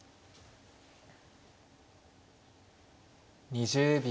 ２０秒。